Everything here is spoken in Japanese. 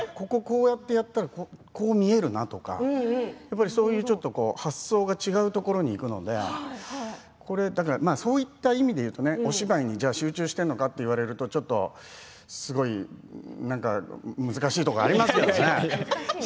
ここをこうやってやったらこう見えるなっていう発想が違うところにいくのでそういった意味でいうとお芝居に集中しているのかと言われるとすごい難しいところがありますけれどね。